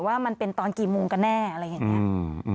ว่ามันเป็นตอนกี่โมงกันแน่อะไรอย่างนี้